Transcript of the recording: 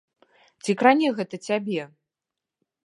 Ці кране гэта цябе?